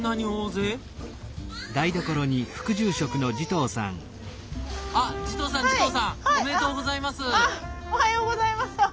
おめでとうございます！